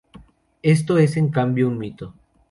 Esto es en cambio un mito.